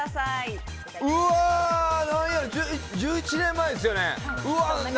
１１年前ですよね？